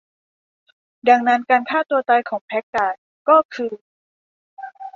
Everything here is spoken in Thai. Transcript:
ดังนั้นการฆ่าตัวตายของแพคการ์ดก็คือ